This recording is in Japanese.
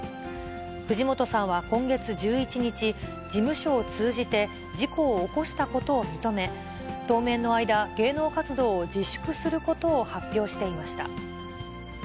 藤本さんは今月１１日、事務所を通じて、事故を起こしたことを認め、当面の間、芸能活動を自粛することを発表していました。